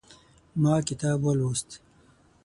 ما کتاب ولوست